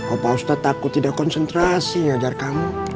opa ustadz takut tidak konsentrasi ngajar kamu